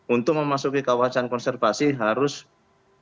untuk memasuki kawasan konservasi harus